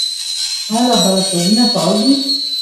آیا لابراتوارونه فعال دي؟